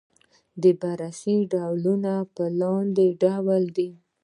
د بررسۍ ډولونه په لاندې ډول دي.